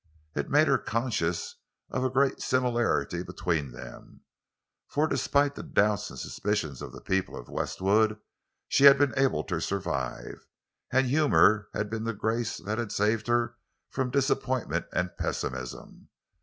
It all made her conscious of a great similarity between them; for despite the doubts and suspicions of the people of Westwood, she had been able to survive—and humor had been the grace that had saved her from disappointment and pessimism.